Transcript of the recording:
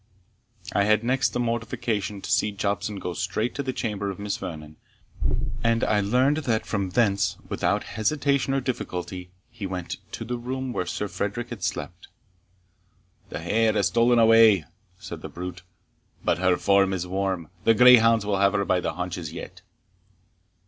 I had next the mortification to see Jobson go straight to the chamber of Miss Vernon, and I learned that from thence, without hesitation or difficulty, he went to the room where Sir Frederick had slept. "The hare has stolen away," said the brute, "but her form is warm the greyhounds will have her by the haunches yet."